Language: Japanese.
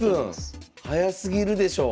早すぎるでしょう！